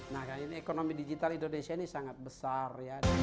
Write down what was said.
nah ini ekonomi digital indonesia ini sangat besar